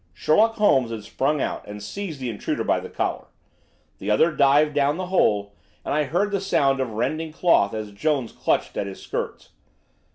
Sherlock Holmes had sprung out and seized the intruder by the collar. The other dived down the hole, and I heard the sound of rending cloth as Jones clutched at his skirts.